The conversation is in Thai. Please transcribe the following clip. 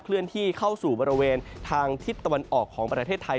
เลื่อนที่เข้าสู่บริเวณทางทิศตะวันออกของประเทศไทย